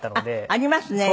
あっありますね。